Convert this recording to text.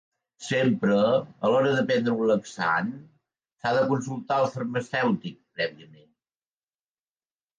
Sempre, a l'hora de prendre un laxant s'ha de consultar al farmacèutic prèviament.